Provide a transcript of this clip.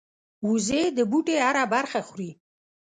وزې د بوټي هره برخه خوري